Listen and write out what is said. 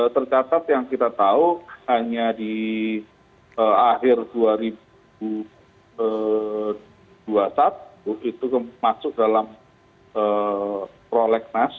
tercatat yang kita tahu hanya di akhir dua ribu dua puluh satu itu masuk dalam prolegnas